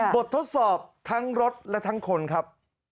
ทดสอบทั้งรถและทั้งคนครับ